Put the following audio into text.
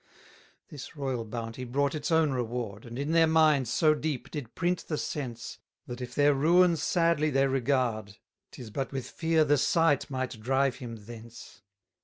287 This royal bounty brought its own reward, And in their minds so deep did print the sense, That if their ruins sadly they regard, 'Tis but with fear the sight might drive him thence.